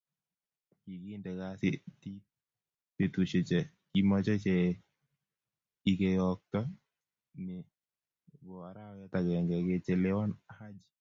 Kikente kasetiii betushe che kimocheikeyookto ni bo arawet akenge kochelewan Haji